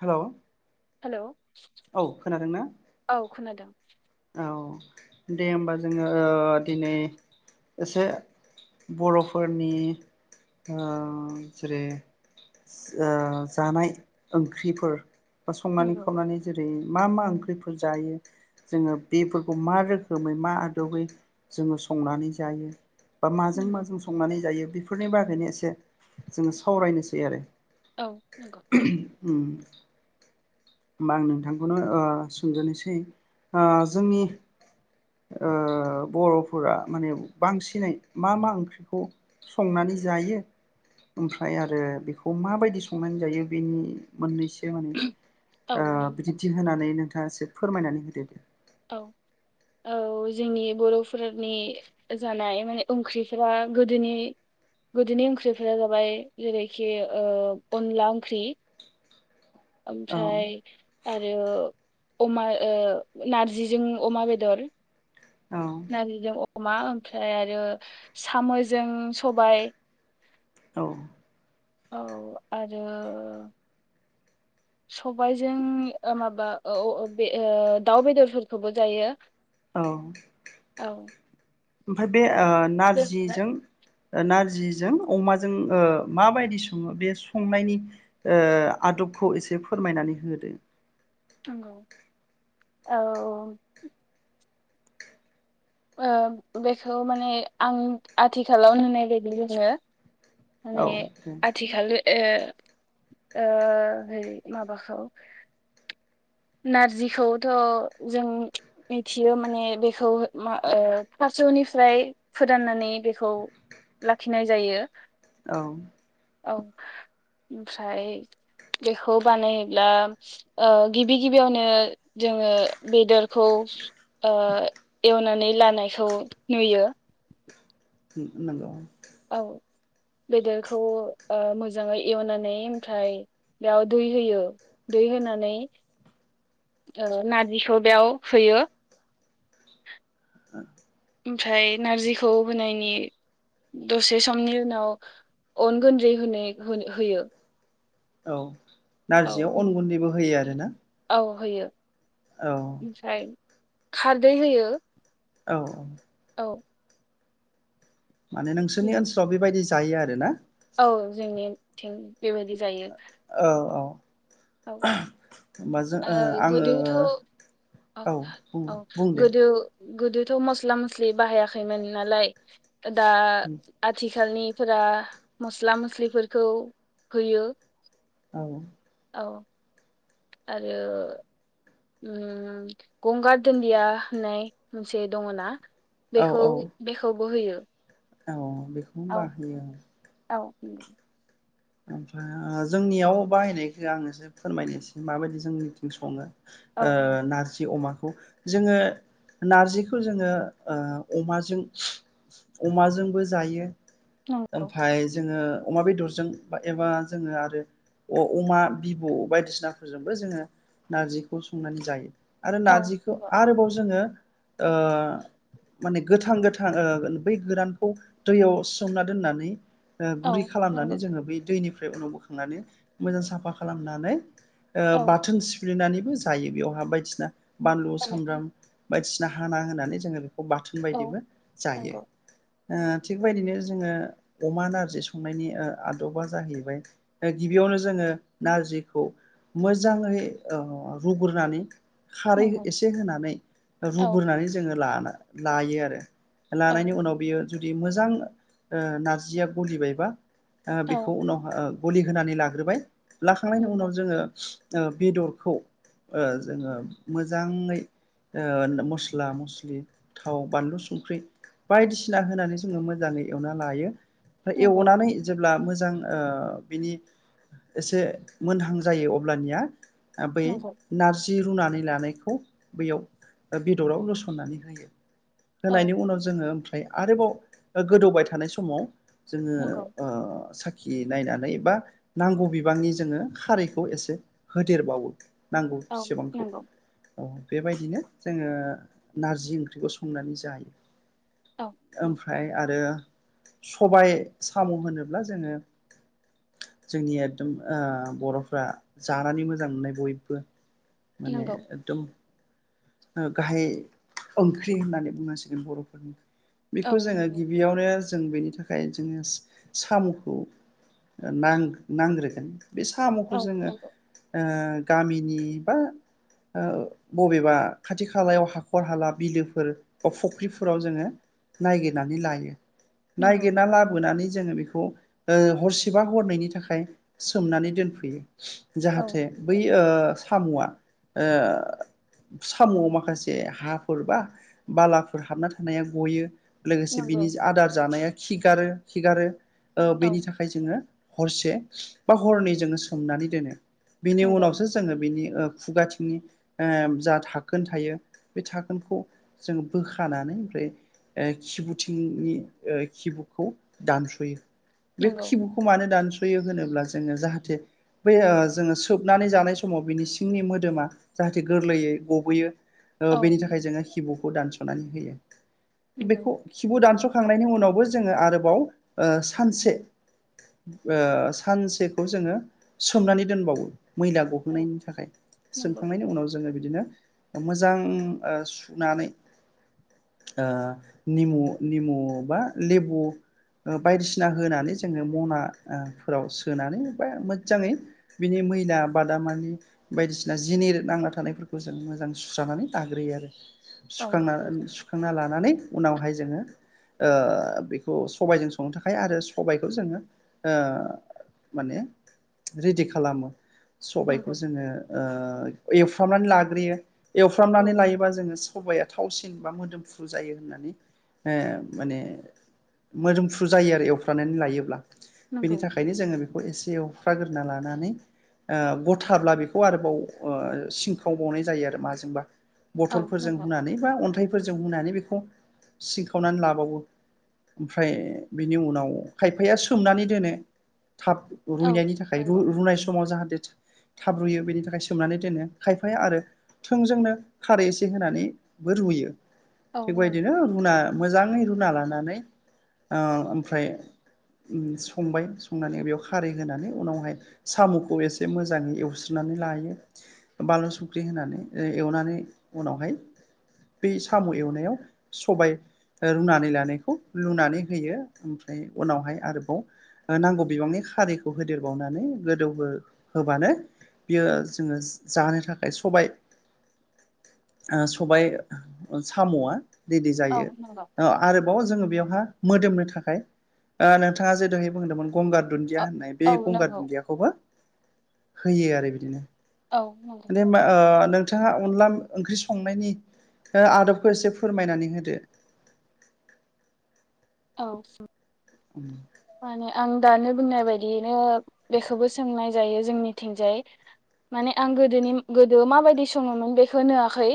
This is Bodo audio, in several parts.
हेलौ हेलौ औ खोनादों ना औ खोनादों औ दे होमबा जोङो दिनै एसे बर'फोरनि जेरै जानाय ओंख्रिफोर बा संनानै नंगौ खावनानै जेरै मा मा ओंख्रिफोर जायो जोङो बेफोरखौ मा रोखोमै मा आदबै जोङो संनानै जायो बा माजों नंगौ माजों संनानै जायो बेफोरनि बागैनो एसे जोङो सावरायनोसै आरो औ नंगौ होमबा आं नोंथांखौनो ओ सोंजोसै ओ जोंनि ओ बर'फोरा माने बांसिनै मा मा ओंख्रिखौ संनानै जायो ओमफ्राय आरो बेखौ माबायदि संनानै जायो बेनि मोननैसो [unintelligible] औ ओ नंगौ बिदिन्थि होनानै आसो फोरमायनानै होदो औ औ जोंनि बर'फोरनि जानाय माने ओंख्रिफोरा गोदोनि गोदोनि ओंख्रिफोरा जाबाय जेरैखि ओ अनला ओंख्रि औ ओमफ्राय आरो अमा ओ नारजिजों अमा बेदर औ नारजिजों अ अमा ओमफ्राय आरो साम'जों सबाइ औ औ आरो सबाइजों ओ माबा ओ बे दाउ बेदरफोरखौबो जायो औ औ आमफाय बे ओ दोनथ'बाय। नारजिजों ओ नारजिजों अमाजों माबायदि ओ सङो बे संनायनि ओ आदबखौ एसे फोरमायनानै होदो नंगौ औ ओबेखौ माने आं आथिखालाव होननाय बायदि बुङो औ माने दे आथिखाल ए ओ बै माबाखौ नारजिखौथ' जों मिथियो माने बेखौ मा फारसनिफ्राय फोराननानै बेखौ लाखिनाय जायो औ औ ओमफ्राय बेखौ बानायोब्ला ओ गिबि गिबियावनो जोङो बेदरखौ ओ एवनानै लानायखौ नुयो नंगौ औ बेदरखौ ओ मोजाङै एवनानै ओमफ्राय बेयाव दै होयो दै होनानै ओ नारजिखौ बेयाव होयो ओ ओमफ्राय नारजिखौ होनायनि दसे समनि उनाव अन गुनदै होनाय होयो औ औ नारजियाव अन गुनदैबो होयो आरो ना औ होयो ओमफ्राय खारदै होयो औ औ औ माने नोंसोरनि ओनसोलाव बेबायदि जायो आरो ना औ जोंनि थिं औ औ औ होमबा जों ओ आङो गोदोथ' औ बुं औ बुं दे गोदो गोदोथ' मस्ला-मस्लि बाहायाखैमोन नालाय दा आथि थिखालनिफोरा मस्ला-मस्लिफोरखौ होयो औ औ आरो ओम गंगार दुनदिया होननाय मोनसे दङ'ना बेखौ बेखौ बो होयो। नंगौ। बेखौनो बाहोयो। उम। ओमफ्राय जोंनियाव बाहायनायखौ आं एसे फोरमायनोसै माबायदि जोंनिथिं संङो। ओ नारजि अमा। जोङो नारजिखौ जोङो ओ अमाजों अमाजोंबो जायो। नंगौ। ओमफाय जोङो। अमा बेदरजों एबा जोङो आरो अमा बिबु बायदिसिनाफोरजोंबो जोङो नारजिखौ संनानै जायो। आरो औ नारजिखौ आरोबाव जोङो ओ माने गोथां गोथां ओ बै गोरानखौ दैयाव सोमना दोननानै ओ गुरै खालामनानै नंगौ जोङो बै दैनिफ्राय उनाव बोखांनानै मोजां साफा खालामनानै ओ नंगौ बाथोन सिफ्लेनानै। जायो बेवहा बायदिसिना बानलु औ नंगौ सामब्राम। बायदिसिना हाना होनानै जोङो बाथोन औ बायदिबो जायो। ओ थिग बेबायदिनो जोङो अमा नारजि संनायनि आ बा जाहैबाय गिबियावनो जोङो नारजिखौ मोजाङै ओ रुग्रोनानै खारै नंगौ एसे होनानै औ रुग्रोनानै जोङो लानांगौ। लायो आरो। औ लानायनि उनाव बियो जुदि मोजां ओ नारजिया गलिबायबा ओ औ बेखौ उनाव ओ ग'लि होनानै लाग्रोबाय लाखांनायनि नंगौ नंगौ औ उनाव नंगौ जोङो ओ बेदरखौ ओ जोङो औ मो मोजाङै ओ मस्ला मस्लि थाव बानलु संख्रि बायदिसिना होनानै जोङो मोजाङै एवना लायो। नंगौ एवनानै मोजां ओ बिनि एसे मोनहां जायो अब्लानिया बै नंगौ नारजि रुनानै लानायखौ बैयाव ओ बेदराव लसननानै होयो औ होनायनि उनाव जोङो ओमफ्राय आरोबाव गोदौबाय थानाय समाव जोङो नंगौ ओ साखिनायनानै बा नांगौ बिबांनि जोङो खारैखौ एसे होदेरबावो नांगौ औ सेबांखौ नंगौ औ बेबायदिनो जोङो नारजि ओंख्रिखौ संनानै जायो औ ओमफ्राय आरो सबाइ साम' होनोब्ला जोङो जोंनि एगदम ओ बर'फ्रा जानानै मोजां मोननाय बयबो माने नंगौ एगदम ओ गाहाइ ओंख्रि होननानै बुंनांसिगोन बर'फोरनि बेखौ औ जोङो नंगौ गिबियावनो जों बेनि थाखाय जोङो साम'खौ नां-नांग्रोगोन बे साम'खौ औ जोङो ओ गामिनि बा ओ बबेबा खाथि खालायाव हाख'र हाला बिलोफोर बा फुख्रिफोराव जोङो नायगिरनानै लायो नंगौ नंगौ नायगिरना लाबोनानै जोङो बेखौ ओ हरसेबा हरनायनि थाखाय सोमनानै दोनफैयो औ जाहाथे बै ओ साम'आ ओ साम'आव माखासे हाफोर बा बालाफोर हाबना थानाया गयो लोगोसे बिनि नंगौ जा आदार जानाया खिगारो खिगारो ओ औ बेनि थाखाय जोङो हरसे बा हरनै जोङो सोमनानै दोनो बिनि उनावसो जोङो बिनि ओ खुगाथिंनि जा धाखोन थायो बे धाखोनखौ जों बोखानानै ओमफ्राय ओ खिबुथिंनि खिबुखौ दानस'यो बे नंगौ खिबुखौ मानो दानस' यो होनोब्ला जोङो जाहाथे बै जोङो सोबनानै जानाय समाव बिनि सिंनि मोदोमा जाहाथे गोरलैयै गबोयो नंगौ औ ओ बेनि थाखाय जोङो खिबु खौ दानस'नानै होयो बेखौ खिबु दानस' खांनायनि उनावबो जोङो आरोबाव ओ सानसे ओ सानसेखौ जोङो सोमनानै दोनबावो मैला गहोननायनि थाखाय नंगौ नंगौ सोमखांनायनि उनाव जोङो बिदि बिदिनो मोजां ओ सुनानै ओ निमु निमु बा लेबु ओ बायदिसिना होनानै जोङो म'ना फोराव सोनानै बा मोजाङै बिनि मैला बादामानि बायदिसिना जिनिर नांना थानायफोरखौ जों मोजां सुस्रानानै दाग्रोयो आरो औ सुखांना सुखांना लानानै उनावहाय जोङो ओ बेखौ सबाइजों संनो थाखाय आरो सबायखौ जोङो ऐ माने रेडि खालामो सबायखौ नंगौ जोङो ओ एवफ्रामनानै लाग्रोयो औ एवफ्रामनानै लायोबा जोङो सबाइया थावसिन बा मोदोमफ्रु जायो होननानै ओ माने मोदोमफ्रु- जायो आरो एवफ्रनानै लायोब्ला बेनि नंगौ थाखायनो जोङो बेखौ एसे एव- ख [unintelligible] खाग्रोना [unintelligible] लानानै ओ गथाब्ला बेखौ आरोबाव सिंखावबावनाय जायो आरो माजोंबा औ बथलफोरजों नंगौ हुनानै बा अनथाइफोरजों हुनानै सिंखावनानै लाबावो ओमफ्राय बिनि उनाव खायफाया सोमनानै दोनो थाब औ रुइनायनि थाखाय रुनाय समाव जाहाथे थाब रुयो बेनि थाखाय सोमनानै दोनो खायफाया आरो थोंजोंनो खारै एसे होनानैबो रुयो नंगौ थिगबायदिनो रूना मोजाङै रुना लानानै ओ ओमफ्राय संबाय संनानै बेयाव खारै होनानै उनावहाय साम'खौ एसे मोजाङै एवस्रोनानै लायो बानलु संख्रि होनानै ओ एवनानै उनावहाय बै साम' एवनायाव सबाय रुनानै लानायखौ लुनानै होयो ओमफ्राय उनावहाय आरोबाव नांगौ बिबांनि खारैखौ होदेरबावनानै गोदौ हो होबानो बियो जोङो जानो थाखाय सबाइ सबाइ साम'आ रेदि जायो औ नंगौ औ नंगौ ओ आरोबाव जोङो बेवहाय मोदोमनो थाखाय ओ नोंथाङा जे दोहै बुंदोंमोन गंगार दुनदिया औ होननाय बे गंगार नंगौ दुनदियाखौबो होयो आरो बिदिनो औ नंगौ मे नों [unintelligible] नोंथाङा अनला ओंख्रि संनायनि आदबखौ एसे फोरमायनानै होदो औ ओम माने आं दानो बुंनाय बादियैनो बेखौबो सोंनाय जायो जोंनिथिंजाय माने आं गोदोनि गोदो माबायदि सङोमोन बेखो नोआखै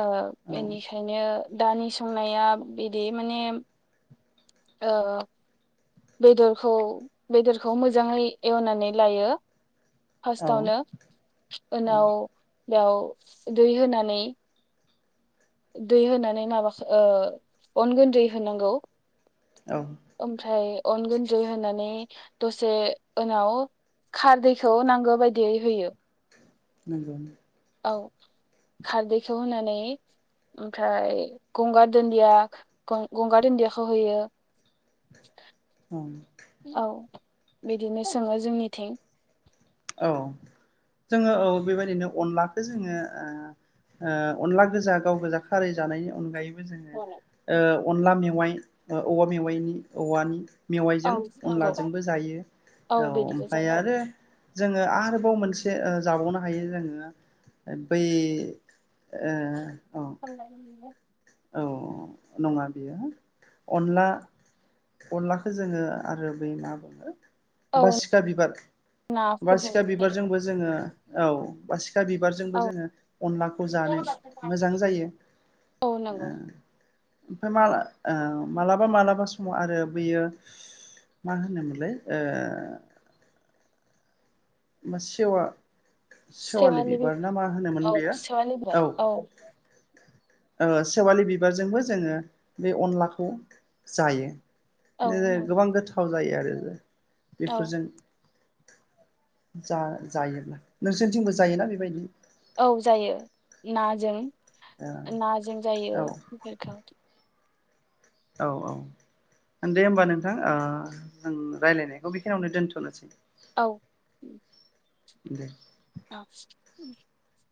ओ औ बेनिखायनो दानि संनाया बिदि माने ओ बेदरखौ बेदरखौ मोजाङै एवनानै लायो औ फारस्टआवनो औ उनाव बेयाव दै होनानै दै होनानै माबाओ अन गोनदै होनांगौ औ ओमफ्राय अन गुनदै होनानै दसे उनाव खारदैखौ नांगौ बायदियै होयो नंगौ औ खारदैखौ होनानै ओमफ्राय गंगार दुनदिया गंगार दुन्दियाखौ होयो ओम औ बिदिनो सङो जोंनिथिं औ जोङो औ बेबायदिनो अनलाखौ जोङोओ ओ अनला गोजा गाव गोजा खारै जानायनि अनगायैबो जोङो ओ अनला मेवाइ ओ औवा मेवाइनि औवानि औ मेवाइजों नांगौ अनलाजोंबो जायो औ बिदिबो ओमफाय जायो आरो जोङो आरोबाव मोनसे ओ जाबावनो हायो जोङो बै ओ औ [unintelligible] औ नङा बियो अनला अनलाखौ जोङो आरो बै मा बुङो औ बासिखा बिबार नाफोरजोंबो बासिखा जायो बिबारजोंबो जोङो औ बासिखा बासिखा बिबारजोंबो औ जोङो अनलाखौ जानो मोजां जायो औ नंगौ [unintelligible] ओमफ्राय मा ओ मालाबा मालाबा समाव आरो बेयो मा होनोमोनलाय ओ मा सेवा सेवालि बि बिबार ना मा होनोमोन औ बेयो सेवालि बिबार औ ओ सेवालि बिबारजोंबो जोङो बे अनलाखौ जायो औ ओ गोबां नंगौ गोथाव जायो आरो ओ औ बेफोरजों जा जायोब्ला नोंसोरनिथिंबो जायोना बेबायदि औ जायो नाजों नाजों जायो ओ बेफोरखौ औ औ दे होमबा नोंथां ओ जों रायज्लायनायखौ बेखिनियावनो दोनथ'नोसै औ दे औ [unintelligible]